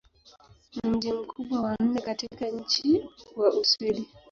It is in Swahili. Ni mji mkubwa wa nne katika nchi wa Uswidi.